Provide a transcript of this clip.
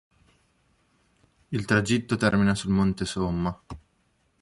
Il tragitto termina sul Monte Somma.